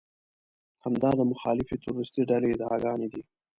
همدا د مخالفې تروريستي ډلې ادعاګانې دي.